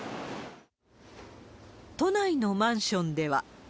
都内のマンションでは。